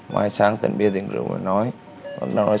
mai sáng tỉnh bia tiền rượu rồi nói